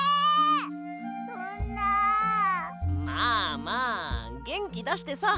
まあまあげんきだしてさ。